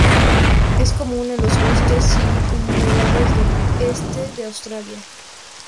Es común en los bosques y humedales del este de Australia.